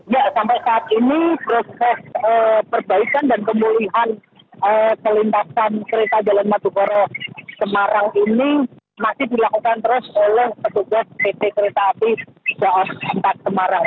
ya sampai saat ini proses perbaikan dan kemuliaan ke lintasan kereta jalan madukoro semarang ini masih dilakukan terus oleh petugas pt kereta api jawa sempat semarang